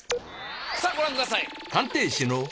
さあご覧ください。